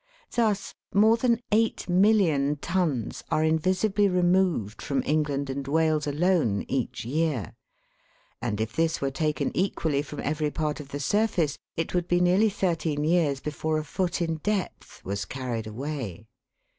Thus, more than 8,000,000 tons are invisibly removed from England and Wales alone each year, and if this were taken equally from every part of the surface, it would be nearly thirteen years before a foot in depth was carried away.